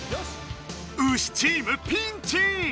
ウシチームピンチ！